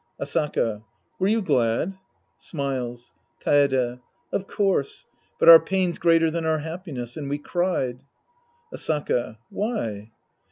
Asaka. Were you glad ? {Smiles.) Kaede. Of course. But our pain's greater than our happiness. And we cried. Asaka. Why